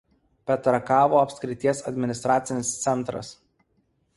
Petrakavo apskrities administracinis centras.